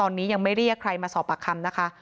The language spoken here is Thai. ตอนนี้ยังไม่เรียกใครมาสอบปากคำนะคะ